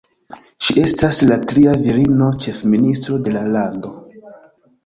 Ŝi estas la tria virino-ĉefministro de la lando.